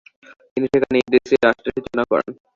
তিনি সেখানে ইদ্রিসি রাষ্ট্রের সূচনা করেন।